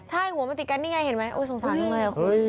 ใช่หัวมันติดกันนี่ไงเห็นไหมสงสารทุกคนเฮ้ยคุณ